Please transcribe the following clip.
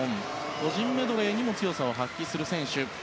個人メドレーにも強さを発揮する選手。